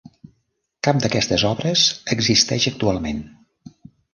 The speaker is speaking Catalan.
Cap d'aquestes obres existeix actualment.